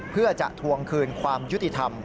เพื่อจะทวงคืนความยุติธรรม